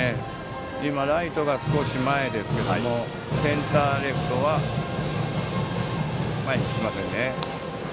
ライトが少し前ですがセンター、レフトは前に来ませんね。